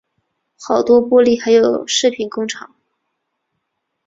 好多玻璃还有饰品工厂